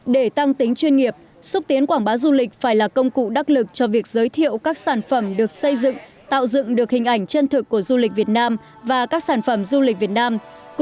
để tăng tính chuyên nghiệp xúc tiến quảng bá du lịch phải là công cụ đắc lực cho việc giới thiệu các sản phẩm được xây dựng tạo dựng được hình ảnh chân thực của du lịch việt nam và các sản phẩm du lịch việt nam